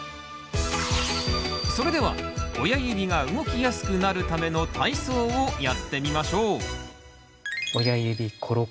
それでは親指が動きやすくなるための体操をやってみましょう！